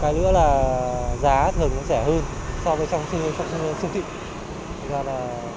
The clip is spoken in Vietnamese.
cái nữa là giá thường sẽ hơn so với trong xung tịnh